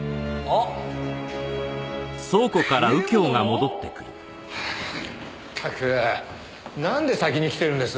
ったくなんで先に来てるんです？